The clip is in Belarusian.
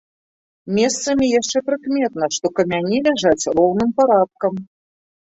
Месцамі яшчэ прыкметна, што камяні ляжаць роўным парадкам.